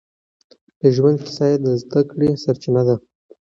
د ژوند کيسه يې د زده کړې سرچينه ده.